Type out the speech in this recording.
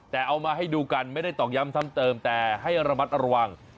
แต่เอามาให้ดูกันไม่ได้ตอกย้ำซ้ำเติมแต่ให้ระมัดระวัง